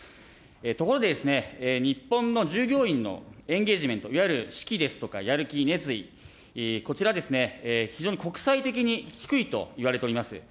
ところで、日本の従業員のエンゲージメント、いわゆる士気ですとかやる気、熱意、こちら非常に国際的に低いといわれております。